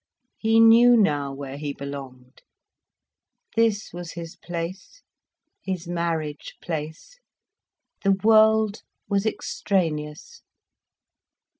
He knew now where he belonged. This was his place, his marriage place. The world was extraneous.